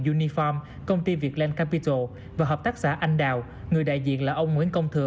uniform công ty vietland capital và hợp tác xã anh đào người đại diện là ông nguyễn công thừa